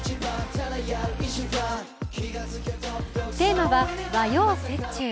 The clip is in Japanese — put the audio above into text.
テーマは和洋折衷。